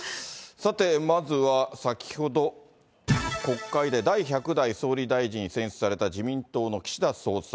さて、まずは先ほど、国会で第１００代総理大臣選出された自民党の岸田総裁。